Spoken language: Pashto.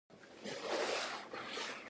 سخاوت او ورکړه د انسان مقام لوړوي.